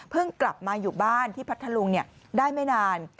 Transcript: กลับมาอยู่บ้านที่พัทธลุงได้ไม่นาน